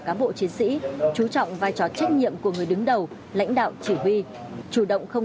cán bộ chiến sĩ chú trọng vai trò trách nhiệm của người đứng đầu lãnh đạo chỉ huy chủ động không